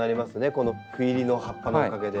この斑入りの葉っぱのおかげで。